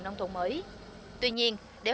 nông thôn mới tuy nhiên để